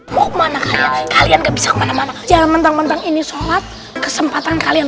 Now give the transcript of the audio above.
mau kemana kalian gak bisa kemana mana jalan mentang mentang ini sholat kesempatan kalian